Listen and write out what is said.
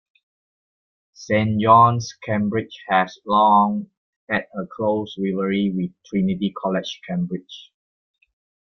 Saint John's, Cambridge has long had a close rivalry with Trinity College, Cambridge.